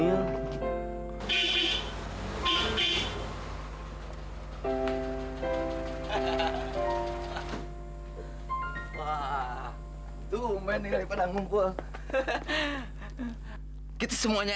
ih ih ih ih ih hai hai hai hai hai hai hai wah tuh menilai padanggungkul hehehe kita semuanya